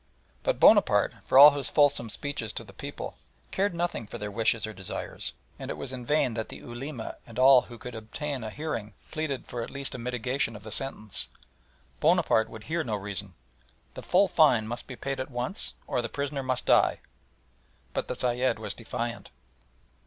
But Bonaparte, for all his fulsome speeches to the people, cared nothing for their wishes or desires, and it was in vain that the Ulema and all who could obtain a hearing pleaded for at least a mitigation of the sentence. Bonaparte would hear no reason. The full fine must be paid at once or the prisoner must die. But the Sayed was defiant.